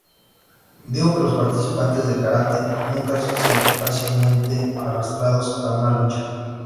Dijo que los practicantes de karate "nunca ser fácilmente arrastrados a una lucha".